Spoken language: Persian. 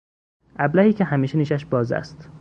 ابلهی که همیشه نیشش باز است